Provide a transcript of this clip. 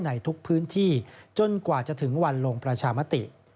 ในทุกพื้นที่จนกว่าจะถึงวันลงประชามติ